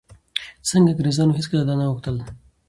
ځکه انګرېزانو هېڅکله دا نه غوښتل